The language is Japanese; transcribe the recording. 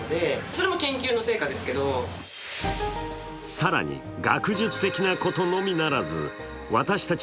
更に学術的なことのみならず私たち